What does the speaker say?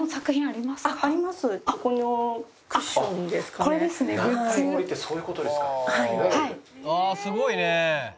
ああすごいね。